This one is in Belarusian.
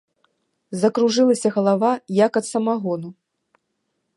Закружылася галава, як ад самагону.